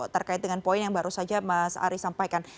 terkait dengan poin yang baru saja mas ari sampaikan